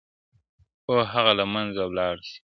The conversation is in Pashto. o هغه له منځه ولاړ سي.